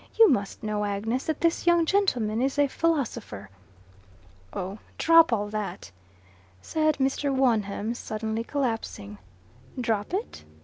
You must know, Agnes, that this young gentleman is a philosopher." "Oh, drop all that," said Mr. Wonham, suddenly collapsing. "Drop it?